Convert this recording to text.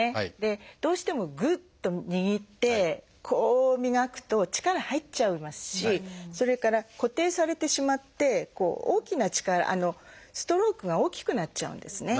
どうしてもグッと握ってこう磨くと力入っちゃいますしそれから固定されてしまって大きな力ストロークが大きくなっちゃうんですね。